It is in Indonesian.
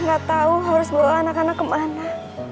gak tau harus bawa anak anak kemana